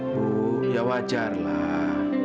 bu ya wajarlah